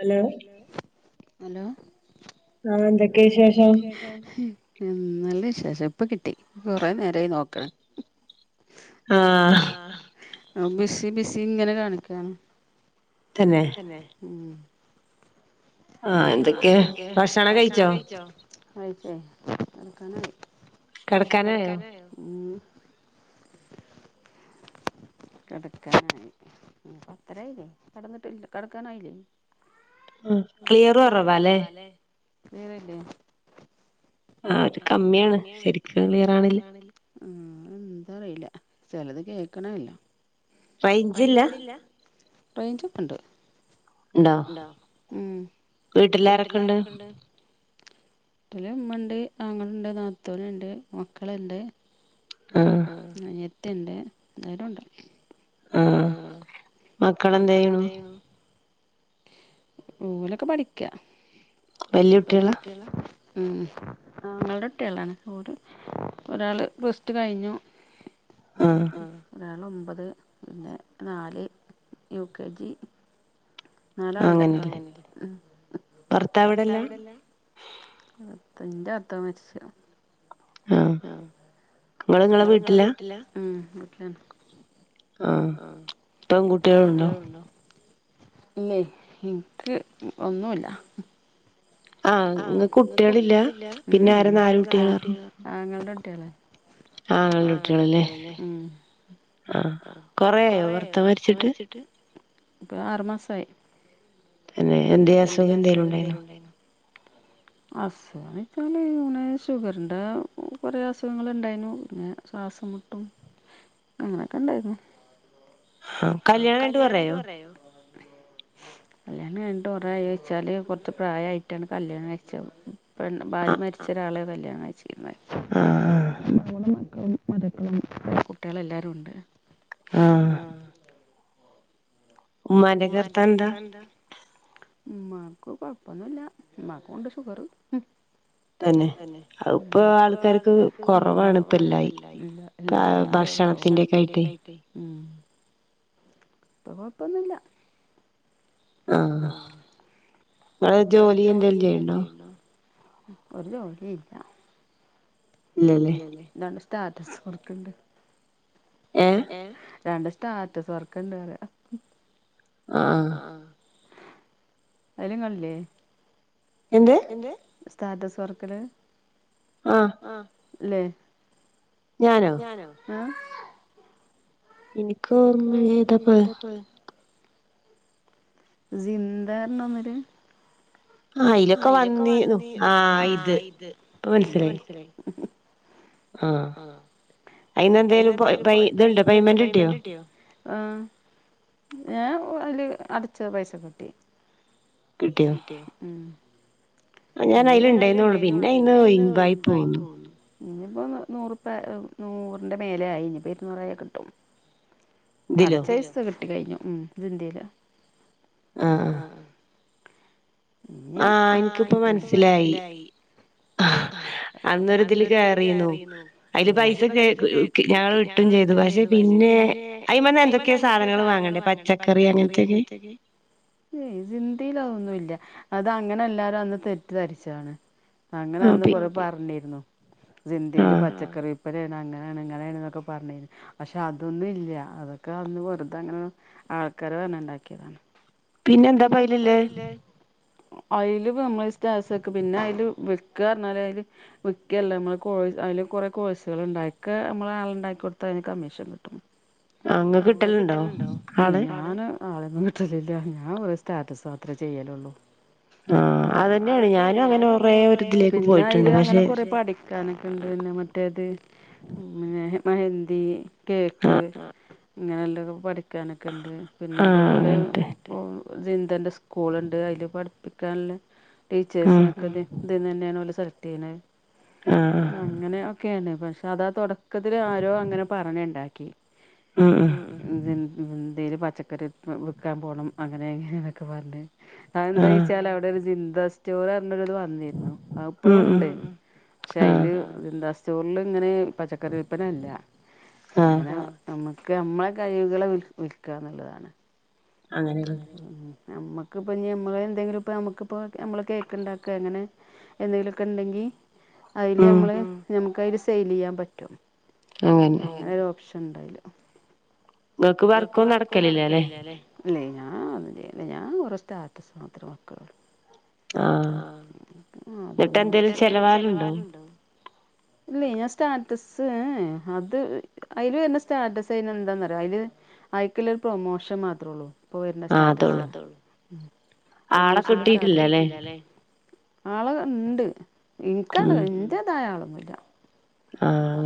Hello hello ആ എന്തൊക്കെ വിശേഷം നല്ല വിശേഷം. ഇപ്പ കിട്ടി കുറെ നേരമായി നോക്കണ ആഹ് ബിസി ബിസി ങ്ങനെ കാണിക്കണ് തന്നെ തന്നെ ഉം ഭക്ഷണം കഴിച്ചോ കഴിച്ചോ കിടക്കാനാ കിടക്കാനായോ കടക്കാനായി പത്തരായില്ലേ കടന്നിട്ടില്ല കടക്കാനായില്ലേ ഉം ക്ലിയറും കുറവാ അല്ലേ ക്ലിയർ ല്ലേ ആ ഒരു കമ്മിയാണ്. ശരിക്കും ക്ലിയർ ആണില്ല ഉം എന്താ അറിയില്ല. ചിലത് കേക്കനെല്ലാ റയിഞ്ചില്ല, റയിഞ്ച് ക്കെ ഉണ്ട് ഉണ്ടോ, വീട്ടിലാരൊക്കെണ്ട് വട്ടില് മ്മ ഉണ്ട്, ആങ്ങളുണ്ട് നാത്തുനുണ്ട്, മക്കളുണ്ട്. ആഹ് അനിയത്തി ഉണ്ട്. എല്ലാരും ഉണ്ട് മക്കളെന്ത് യ്യുന്നു ഓലൊക്കെ പഠിക്ക വലിയ കൂട്ടികള ഉം. ആങ്ങളന്റെ കുട്ട്യാളാണ്. ഒരാള് പ്ലസ്ടു കഴിഞ്ഞു [unintelligible] ആഹ് ഒരാൾ ഒമ്പത്, പിന്നെ നാല്, യു കെ ജി നാലാളുണ്ട്, അങ്ങനെയ ഭർത്തവിടെയല്ലേ എന്റെ അത്ത മരിച്ച് ആഹ് ങ്ങള് ങ്ങടെ വീട്ടിലാ, ഉം, വീട്ടില ആഹ്, പെൺകുട്ടികൾ ഉണ്ടോ? ഇല്ലേ എനിക്ക് ഒന്നുല്ല ആഹ്, ഇങ്ങൾക്ക് കുട്ടികളില്ല പിന്നെ ആ ആങ്ങളേടെ കുട്ടികളാ ആഹ് രണ്ട് കുട്ടികളല്ലേ ഉം ആഹ് കൊറേയോ ഭർത്ത മരിച്ചിട്ട് ഇപ്പ, ആറ് മസായി പിന്നെ എന്തേ അസുഖം എന്തേലും ഉണ്ടായിരുന്നോ അസുഖന്ന് വെച്ചാല്. ഇങ്ങനെ ഷുഗറിന്റെ കൊറേ അസുഖങ്ങൾ ഉണ്ടായിരുന്നു പിന്നെ ശ്വാസം മുട്ടും അങ്ങനെയൊക്കെ ഉണ്ടായിരുന്നു ആ കല്യാണം കയിഞ്ഞിട്ട് കുറെയായോ കല്യാണം കഴിഞ്ഞട്ട് കുറെ ആയോച്ചാല് കുറച്ച് പ്രായമായിട്ടാണ് കല്യാണം കഴിച്ച പെണ്ണ്ഭാര്യ മരിച്ച ഒരാളെകല്യാണം കയിച്ചിരുന്നത് മരുക്കളുംകുട്ടികള എല്ലാരും ഉണ്ട് ആ ഉ മമാ ൻ്റെയൊകർത്താനന്താ ഉ്മാക്ക് കൊഴപ്പൊന്നുമല്ല ഉ്മാക്കുണ്ട് ഷുഗർ അന്നെ അത്പ്പൊ ആൾക്കാർക്ക് കൊറവാാണ് ഇപ്പല്ലായി അല്ലത ഭക്ഷണത്തിന്റെക്കായിട്ട് ഉ ഇപ്പൊ കുഴപ്പൊന്നുല്ല ആഹ ങ്ങൾ ജോലി എന്തേലും ചെയ്യണ്ടോ ഒരു ജോലി ഇല്ല ഇല്ലല്ല എന്തണ്ട് സ്റ്റാറ്റസ് കൊടുക്കണ്ട് ഏ രണ്ട് സ്റ്റാറ്റസ് വർക്ക ഇണ്ട് പറ ആ അതിന് ങ്ങൾല്ലേ എന്ത് ന്റെ സ്റ്റാറ്റസ് വർക്ക് ല് ആ ആല്ലേ ഞാനോ ആ എനിക്ക് ഓർമല്ലഏതാപ്പ ത് [unintelligible] ഒന്നര് ആ അയിലൊക്കെ വന്നിനു ആഹ ഇത് പ്പം മനസിലായി ആ അയിന്ന എന്തായാലും ഇത്ണ്ട് പൈ്മെന്റ് കിട്ടിയോ ആ ഞാ അല് അടച്ച പൈസ കിട്ടി കിട്ട്യോ ഉം ഇ ഞാൻ അതില ണ്ടായിന്ന് പോു പിന്നെ അയിന്ഒ യിവായി പോന്നുന്നു ഇനിയിപ്പോൾ നൂറുപ്പ നൂറിൻ്റെ മേലായി ഇനിയിപ്പോൾ ഇരുന്നൂറായ കിട്ടും അടച്ച പൈസ കിട്ടി കഴിഞ്ഞു ഉം ഇന്തതില് ആ ആ ആഹ എനിക്കിപ്പൊ മനസ്സിലായി അന്നൊരി ഇതില് കയറിയുന്നു അതില് പൈസ കേ ഞങ്ങൾ വിട്ടും ചെയ്തു പക്ഷെ പിന്നെ അയി മന്ന എന്തൊക്കെ സാധനങ്ങൾ വാങ്ങണ്ടേ പച്ച പച്ചക്കറി അങ്ങത്തേക്ക് ഏയ് ചിന്തതിൽ അതൊന്നുല്ല അത് അങ്ങനെ എല്ലാരും അന്ന് തെറ്റ്ി ധരിച്ചതാണ് അങ്ങനെ അന്ന് കൊറ പറഞ്ഞിരുന്നു സിന്തയില് പച്ചക്കറി അപ്പരാണ് അങ്ങനെയാണ് ഇങ്ങനെയാണക്കെ പറഞ്ഞു രുന്നുപക്ഷെ അതൊന്നും ഇല്ല അതൊക്കെ അന്ന് വെറുത അങ്ങനെ ആൾക്കാര് പറഞ്ഞ്ണ്ടാക്കിയതാണ് പിന്നെ ന്താ പയില്ള്ളേ അതില് നമ്മളെ സ്‌റ്റാറ്റസ് വെക്കപിന്നെ അതില് വെക്ക പറഞ്ഞാല് അതില് വിൽക്കുകല്ല നമ്മൾഅതിൽ ക്ക്കുറെേ കോഴ്സൾ ഉണ്ട് നമ്മൾ ആള ഉണ്ടാക്കി കൊടുത്താൽതിന് കമ്മീഷൻ കിട്ടും അങ്ങക്ക്കിട്ടലണ്ടോ ഞ ആളൊന്നും കിട്ടലില്ല ഞാൻ വെറുംസ്റ്റാറ്റസ മാത്രേ ചെയ്യലള്ളൂ ആ അത് തന്നെയാണ് ഞാനും അങ്ങനെ ഒറേന്നായി അങ്ങനെ കൊറ പട കാനക്കണ്ട് തന്നെ മറ്റേത് മഹന്ദി കേക്ക് ഇങ്ങനെ ള്ള തൊക്കെ പഠിക്കാനൊക്കെ ഉണ്ട് പിന്നെ അതുേപോലെ പ്പോ സിന്തന്റെ സ്കൂളുണ്ട് അതില് പഠിപ്പിക്കാനുള്ള ടീച്ചേഴ്സിനൊക്കെ ഇ ദ് ന്ന്തന്നെയാണ് ഓല്സെലക്ട് ചെയ്യുന്നത് അങ്ങനെ ഒക്കെയാണ് പക്ഷെ അതാ തുടക്കത്തി ആരോ അങ്ങനെ പറഞ്ഞ ഉണ്ടാക്കി ഉ എന്തേലും പച്ചക്കറി വിക്കാൻ പോകണം അങ്ങനെ എങ്ങനെയൊക്കെ പറഞ്ഞഞ് അ എന്താ വച്ചാൽ അവിടെ ഒരു ജിന്താ സ്റ്റോർ പറഞ്ഞത് വന്നിരുന്നു അ ഇപ്പോഴും ഉണ്ട് പക്ഷെ അതില് സിന്താസ്റ്റോളില് ഇങ്ങനെ പച്ചക്കറി വിില്പ്പനല്ല ഇങ്ങനെ നമുക്ക് നമ്മളെ കഴിവുകളെ വിൽ വിൽക്കുക എന്നുള്ളതാണ് നമ്മക്കിപ്പമ്മളെ എന്തെങ്കിലും ഇപ്പ നമ്മക്കിപ്പോ നമ്മള കേക്ക് ഇണ്ടാക്ക അങ്ങനെ എന്തെങ്കിലുമൊക്കെ ഉണ്ടെങ്കിൽ അതില് നമ്മള് നമുക്ക് അതില് സെയിൽ ചെയ്യാൻ പറ്റും അങ്ങനെ ഓപ്ഷൻ ഉണ്ടായില്ല നിങ്ങക്ക് വർക്കൊന്നും നടക്കലില്ലേ അല്ലെ ഇല്ലേ ഞാൻ ഒന്നും ചെയ്യ ഞാൻ കുറത്തെ ആട്ട മാത്രം മക്കളള്ളൂ ആഹ എന്നിട്ട എന്തേലും ചെലവാലുണ്ടോ ഇല്ല ഞാൻ സ്റ്റാറ്റസ് അത് അതില് വരുന്ന സ്റ്റാറ്റസ് അതിന് എന്താന്നറിയ അതില് ആയിക്കല ഒരു പ്രൊമോഷൻ മാത്രമേ ഉള്ളൂ [unintelligible] വരുന്ന സ്‌റ്ററ്റാസ് [inaudible] ആളെ കിട്ടീട്ടില്ലല്ലേ ആള ഉണ്ട് എനിക്കൾ ഇൻ്റേതായ ആളന്നുമില്ല ആ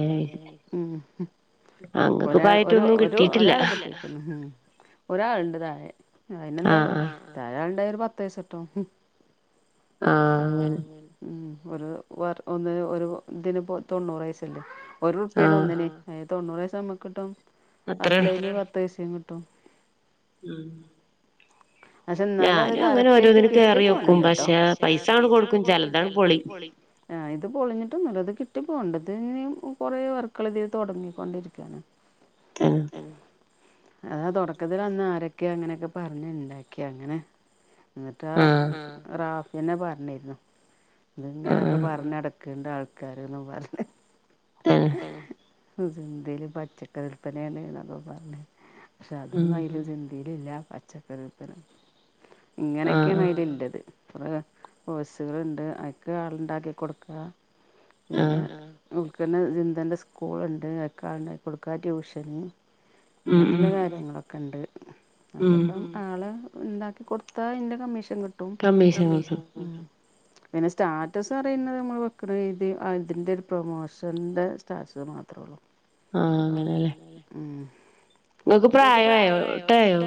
ഉം ഒരാൾ ഒരു ഒരാൾക്കല്ല ഉം ഒരാളുണ്ട് താഴെ അതിനെന്താ താായാളുണ്ടായ ഒരു പത്ത് [unintelligible] ട്ടോ ആ ഒരു വ ഒന്നി ഒരു ഇതിന് തൊണ്ണൂറ് വയസ അല്ലേ ഒരു ഉുപ്പിയണ ഒന്നിന അത് തൊണ്ണൂറ് വയസ നമ്മക്ക് കിട്ടും അപ്ലൈൽ പത്ത് പയസയും കിട്ടും ഉം [inaudible] പക്ഷെ എന്നാലും അത് കറക്റ്റ് ആയിട്ട് കിട്ടി പോണംല്ലോ കേട്ടോ പക്ഷെ പൈസ കൊടുക്കും ചിലതാണ് പോളി ആഹ് ഇത് പൊളഞ്ഞിട്ടൊന്നല്ലോ അത് കിട്ടി പോണ്ട് അതിന കൊറെ വർക്കൾതി തുടങ്ങിക്കൊണ്ടിരിക്കയാണ് അതാ തുടക്കത്തിൽ അന്ന് ആരൊക്കെ അങ്ങനെയൊക്കെ പറഞ് ഉണ്ടാക്കിയ അങ്ങനെ എന്നിട്ടാ റാഫിയന്നെ പറഞ്ഞിരുന്നു അത് ഇങ്ങനെയൊക്കെ പറഞ്ഞട നക്കേണ്ട ആൾക്കാരൊന്നും പറഞ്ഞഞ് ആഹ ചന്തയില് പച്ചക്കറിൽപ്പനയാണ്പ്പ പറഞ്ഞത് പക്ഷെ അതൊന്നുയില് ജിന്ത ഇലില്ല പച്ചക്കറിപ്പറ ഇങ്ങനെയൊക്കെയാണ് അതില ഇണ്ടത് അറ പോഴസുകളൾണ്ട് അക്കെ ആളുണ്ടാക്കി കൊടുക്കുക പിന്നെ ഉടുക്കന്നെ ജിന്തൻ്റെ സ്കൂളുണ്ട് ഒക്കാണ് കൊടുക്കാ ട്യൂഷന് അങ്ങനെയുള്ള കാര്യങ്ങളൊക്കെ ഉണ്ട് അതക്ക ആള് ഉണ്ടാക്കി കൊടുത്താതിന്റെ കമ്മീഷൻ കിട്ടും [unintelligible] പിന്നെ സ്റ്റാറ്റസ് പറയുന്നത് നമ്മൾ വെക്കണ ഇത് അതിൻ്റെ പ്രൊമോഷ്ൻ്റെ സ്റ്റാസ്സ് മാത്രേ ഉള്ളൂ ആ ഈ നിങ്ങൾക്ക് പ്രായയോ വട്ടായോ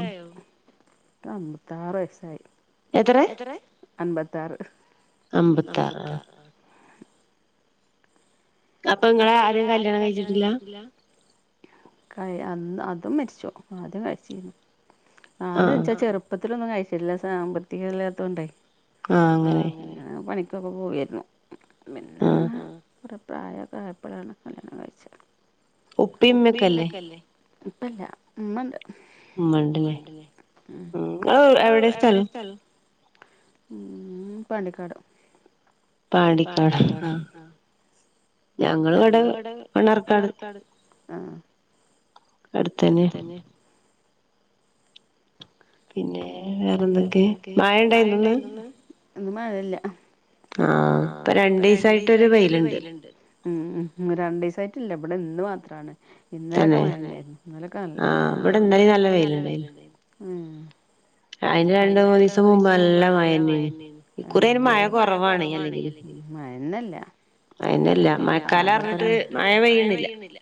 അമ്പത്താറ് വയസ്സായി എത്ര അൻമ്പത്താറ് അമ്പത്താറ് അപ്പൊ നിങ്ങെ ആരും കല്യാണം കഴിച്ചിട്ടില്ല ക അതും മരിച്ചോ ആദ്യം കഴിച്ചു ആദ്യ എച്ചാ ചെറുപ്പ ഇപ്പത്തിലൊന്നും കഴിച്ചില്ല സാമ്പത്തികല്ലാത്തണ്ട അ പിങ്ങെ പണിക്കൊക്കെ പോവായിരുന്നു പിന്നെ കു പ്രായം എപ്പോഴാണ് കല്ലണം കഴിച്ചത് ഉപ്പിമ്മക്കല്ലേ ഇപ്പല്ല ഉമ്മണ്ട് മിണ്ടല്ലേ [unintelligible] എവിടെ സ്ഥലോ ഉം പാണ്ടിക്കാട് പാലിക്കാട് ആ ഞങ്ങള് ഇവിടെ മണ്ണാർക്കാട് ആ അടുത്തന പിന്നെ വേറെ എന്തൊക്കെ മഴണ്ടായിന്നോ ഇന്ന്? ഇന്ന് മഴല്ല. ആഹ് ഇപ്പൊ രണ്ടീസായിട്ട് ഒരു വെയില്ണ്ട് ഉം ഉം ഉം രണ്ടീസായിട്ടില്ല ഇബടെ ഇന്ന് മാത്രാണ്. ഇന്നലൊക്കെ മഴഞ്ഞായിരുന്നു. ഇന്നലൊക്കെ മഴണ്ടായിരുന്നു. ആ ഇബടെ ഇന്നലീം നല്ല വെയിലിണ്ടായിരുന്നു. ഉം. [inaudible] അയിന് രണ്ട് മൂന്നീസം മുമ്പ് നല്ല മഴഞ്ഞെയിന്നുന്നു ആ ഇക്കുറി അയിന് മഴ കുറവാണെയ് അല്ലെങ്കിലും മഴന്നെല്ല. മയഞ്ഞെല്ല മഴക്കാല പറഞ്ഞിട്ട് മയ പെയ്യിണില്ല.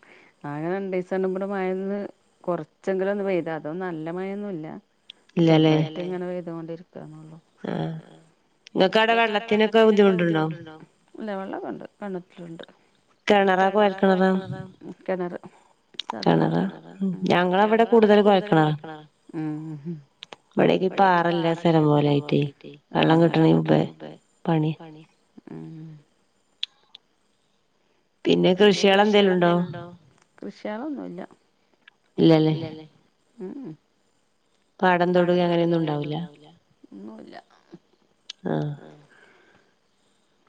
ആകെ രണ്ടീസാണ് ഇബടെ മഴൊന്ന് കുറച്ചെങ്കിലൊന്ന് പെയ്തത് അതും നല്ല മയ യൊന്നൂല്ല. ഇല്ലാല്ലേ? ഇബടീങ്ങനെ പെയ്തുണ്ടിരിക്കാണ്. ആഹ്. ഇങ്ങക്കവിടെ വെള്ളത്തിനൊക്കെ ബുദ്ധിമുട്ടുണ്ടോ? ഇല്ല വെള്ളക്കൊ ണ്ട് കിണറ്റില്ണ്ട്. കിണറാ കുഴൽകിണറാ? കിണറ്. സാധാ കിണറാകിണറാണ്. ഉം ഞങ്ങളവടെ കൂടുതല് കുഴൽകെണറാ. ഉം ഉം. ഇബടെയൊക്ക ഈ പാറല്ല സ്ഥലം പോലാ യിട്ട്ആ വെള്ളം കിട്ടണങ്കി ഇപ്പൊ പണി ഉം ഉം. പിന്നെ കൃഷിയെ ള് എന്തേലുണ്ടോ? കൃഷിയളൊന്നുല്ല. ഇല്ലല്ലേ? ഊ ഉം. പാടം തൊടുക അങ്ങനെയൊന്നും ഉണ്ടാവൂല്ല? ഒന്നുല്ല. അ ആ. ആ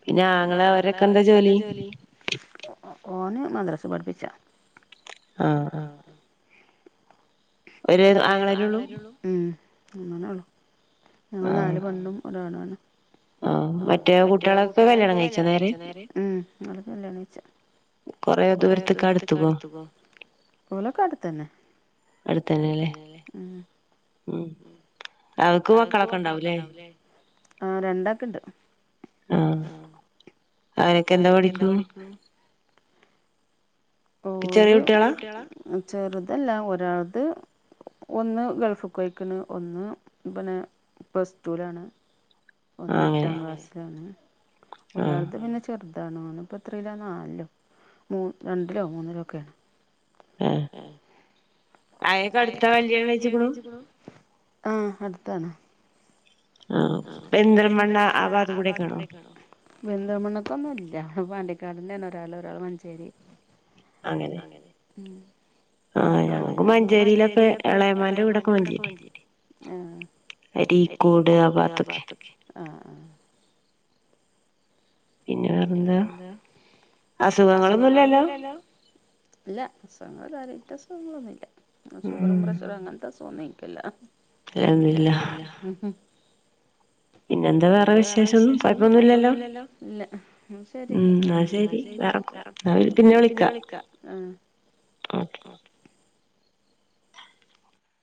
പിന്നെ ആങ്ങള അവരൊക്കെന്താ ജോലി? ഒ ഒ ഓന് മദ്രസെ പഠിപ്പിച്ച ആഹ്. ഒരു ആങ്ങളല്ലള്ളൂ? ഉം ഒന്നന്നെ ള്ളൂ. ഞങ്ങള് നാല് പെണ്ണും ഒരാണും ആണ്. ആ മറ്റേ കുട്ടിയേളൊക്കെ കല്യാണം കഴിച്ചോ നേര്? ഉം ഓലൊക്കെ കല്യാണം കഴിച്ചു. കൊറെ ദൂരത്തിക്ക അടുത്ത്ക്കോ? ഓലൊക്കെ അടുത്തന്നെ. അടുത്തന്ന ല്ലേ? ഉം. അവർക്ക് മക്കളൊക്കെ ഇണ്ടാവൂലെ ആ രണ്ടാൾകിണ്ട്. ആ. അവരൊക്കെ എന്താ പഠിക്കുണു - ഓല് ചെറിയ കുട്ടിയേളാ? ചെറുതല്ല ഒരാളത് ഒന്ന് ഗൾഫ്ക്ക് പെയ്ക്കിണ് ഒന്ന് പിന്നെ പ്ലസ്റ്റൂലാണ്. ഒന്ന് എട്ടാം ക്ലാസ്സിലാണ്. ആ ഒരാളത്പിന്നെ ചെർതാണ്. ഓനിപ്പൊ ത്രയിലാ നാലിലോ മൂ രണ്ടിലോ മൂന്നിലോ ക്കേണ്. ആഹ്. അയൊക്കെ അടുത്ത കല്യാണം കയിച്ചുക്കുണു? ആ അട്ത്താണ്. ആ പെരിന്തൽമണ്ണ ആ ഭാഗത്തുക്കുടെക്കെആ ണോ? പെരിന്തൽമണ്ണക്കൊന്നുല്ല. പാണ്ടിക്കാടന്നേണ് ഒരാള്. ഒരാള് മഞ്ചേരി. അങ്ങനെ? ഉം. ഒരാള് പാലക്കാട്. നമുക്ക് മഞ്ചേരിയിലൊക്കെ എളയമാന്റെ വീടൊക്കെ മഞ്ചേരി. ആ ആ. അരീക്കോട് ആ ഭാഗ ത്തൊക്കെ. ഓക്കെ. ആ ആ. പിന്നെ വേറെന്താ? അസുഖങ്ങളൊന്നുംല്ലല്ലോ? ഇല്ല അസുഖങ്ങള് കാര്യായിട്ട് അസുഖങ്ങളൊന്നുല്ല. പിന്നെ ഷുഗറും പ്രഷറും അങ്ങനത്ത തോന്നീക്കില്ല? ഹേയ് ഇല്ല. പിന്നെ എന്താ വേറെ വിശേഷന്ന് കൊ യപൊന്നുഇ ല്ലലോ ഇല്ല ഇന്നാ ശരി. ഉം ഇന്നാ ശരി. [unintelligible] ഇന്ന പിന്നെ വിളിക്കാം. ആ ഓക്കെ.